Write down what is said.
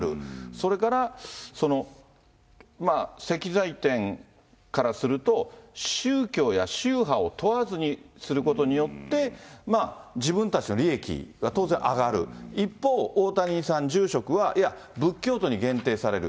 それから、石材店からすると、宗教や宗派を問わずにすることによって、自分たちの利益が当然上がる、一方、大谷さん、住職は、いや、仏教徒に限定される。